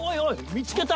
見つけた！